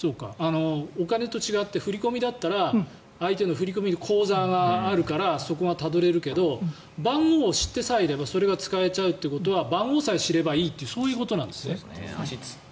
お金と違って振り込みだったら相手の振込口座があるからそこがたどれるけど番号を知ってさえいればそれが使えちゃうということは番号さえ知ればいいということなんですね。